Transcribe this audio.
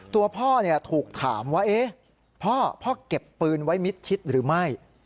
ตัวพ่อถูกถามว่าพ่อเก็บปืนไว้มิดชิดหรือไม่